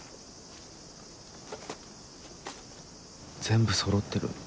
全部そろってる。